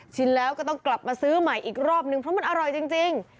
แล้วก็ต้องกลับมาซื้อใหม่อีกรอบนึงเพราะมันอร่อยจริง